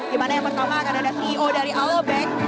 dimana yang pertama akan ada ceo dari alo bank